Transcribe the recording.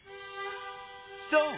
そう！